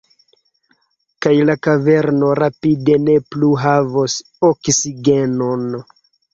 Kaj la kaverno rapide ne plu havos oksigenon.